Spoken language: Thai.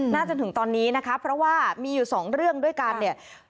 จนถึงตอนนี้นะคะเพราะว่ามีอยู่สองเรื่องด้วยกันเนี่ย